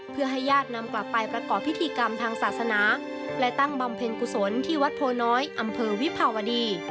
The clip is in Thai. เพื่อให้ญาตินำกลับไปประกอบพิธีกรรมทางศาสนาและตั้งบำเพ็ญกุศลที่วัดโพน้อยอำเภอวิภาวดี